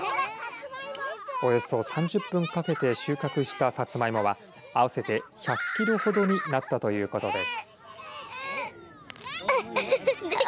およそ３０分かけて収穫したさつまいもは合わせて１００キロほどになったということです。